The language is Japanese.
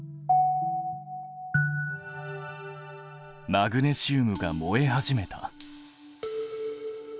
マグネシウムが燃え始めた。